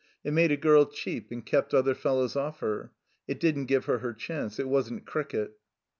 It made a girl cheap, and kept other fellows oflf her. It didn't give her her chance. It wasn't cricket.